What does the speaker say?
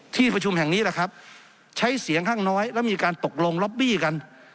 ที่ประชุมแห่งนี้แหละครับใช้เสียงข้างน้อยแล้วมีการตกลงล็อบบี้กัน